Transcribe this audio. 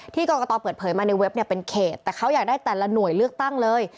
กรกตเปิดเผยมาในเว็บเนี่ยเป็นเขตแต่เขาอยากได้แต่ละหน่วยเลือกตั้งเลย